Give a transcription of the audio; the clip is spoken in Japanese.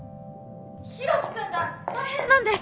「ヒロシ君が大変なんです！」。